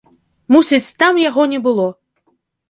Мусіць, там яго не было.